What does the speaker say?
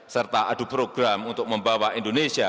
serta adu program untuk membawa kembali ke kemampuan kekejaman